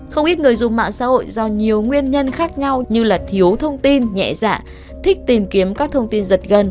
không ít người dùng mạng xã hội do nhiều nguyên nhân khác nhau như thiếu thông tin nhẹ dạ thích tìm kiếm các thông tin giật gần